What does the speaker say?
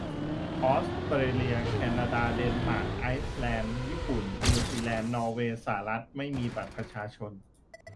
ออสเตรเลีย แคนาดา เดนมาร์ก ไอร์แลนด์ ญี่ปุ่น นิวซีแลนด์ นอร์เวย์ สหรัฐ ไม่มีบัตรประชาชน